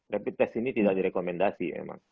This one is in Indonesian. rapid test ini tidak direkomendasi emang